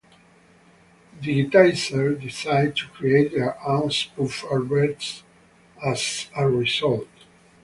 "Digitiser" decided to create their own spoof adverts as a result.